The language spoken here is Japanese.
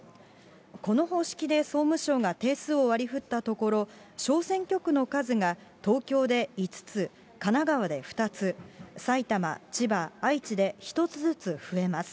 この方式で総務省が定数を割り振ったところ、小選挙区の数が東京で５つ、神奈川で２つ、埼玉、千葉、愛知で１つずつ増えます。